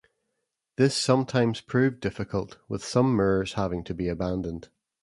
This sometimes proved difficult, with some mirrors having to be abandoned.